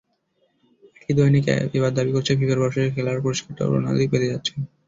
একই দৈনিক এবার দাবি করছে, ফিফার বর্ষসেরা খেলোয়াড়ের পুরস্কারটাও রোনালদোই পেতে যাচ্ছেন।